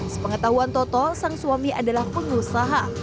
sepengetahuan toto sang suami adalah pengusaha